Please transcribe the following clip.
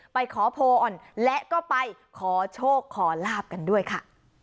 ไปขอพรและก็ไปขอโชคขอลาบกันด้วยค่ะ